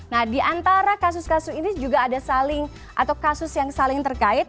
nah di antara kasus kasus ini juga ada saling atau kasus yang saling terkait